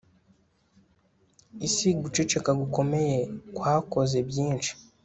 isi, guceceka gukomeye kwakoze byinshi